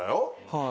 はい。